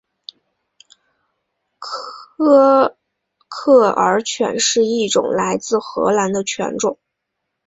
科克尔犬是一种来自荷兰的犬种。